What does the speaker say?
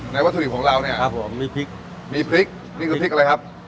วัตถุดิบของเราเนี่ยครับผมมีพริกมีพริกนี่คือพริกอะไรครับ